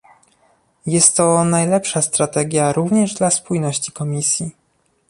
Jest to najlepsza strategia również dla spójności Komisji